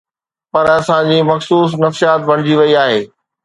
پر اسان جي مخصوص نفسيات بڻجي وئي آهي.